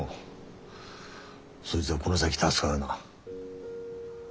そいづはこの先助かるな。